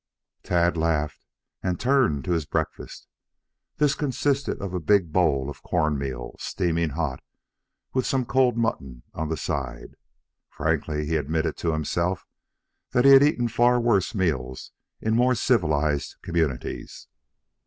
Tad laughed and turned to his breakfast. This consisted of a big bowl of corn meal, steaming hot, with some cold mutton on the side. Frankly, he admitted to himself that he had eaten far worse meals in more civilized communities.